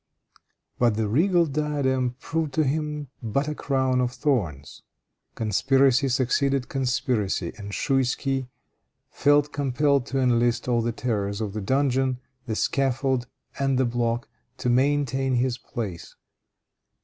But the regal diadem proved to him but a crown of thorns. Conspiracy succeeded conspiracy, and Schouisky felt compelled to enlist all the terrors of the dungeon, the scaffold and the block to maintain his place.